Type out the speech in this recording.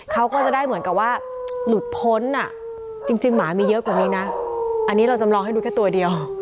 เขาก็จะได้เหมือนกับว่าหลุดพ้นอ่ะจริงหมามีเยอะกว่านี้นะอันนี้เราจำลองให้ดูแค่ตัวเดียว